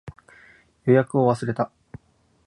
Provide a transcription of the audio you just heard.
予約を忘れた